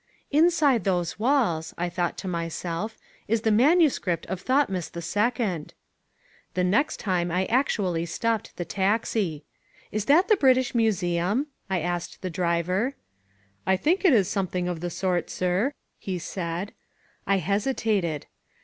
"Inside those walls," I thought to myself, "is the manuscript of Thotmes II." The next time I actually stopped the taxi. "Is that the British Museum?" I asked the driver, "I think it is something of the sort, sir," he said. I hesitated.